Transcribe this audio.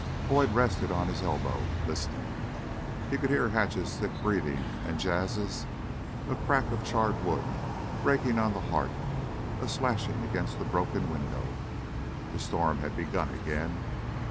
Boyd still rested on his elbow, listening. He could hear Hatch's thick breathing and Jas's, a crack of charred wood breaking on the hearth, a slashing against the broken window ... the storm had begun again.